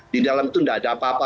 di dalam itu tidak ada apa apa